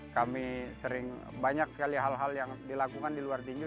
kami sering banyak sekali hal hal yang dilakukan di luar tinju